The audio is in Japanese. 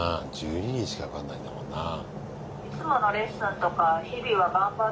１２人しか受かんないんだもんなあ。